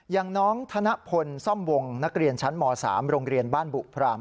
อย่างน้องธนพลซ่อมวงนักเรียนชั้นม๓โรงเรียนบ้านบุพราม